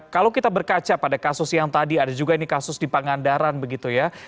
kalau kita berkaca pada kasus yang tadi ada juga ini kasus di pangandaran begitu ya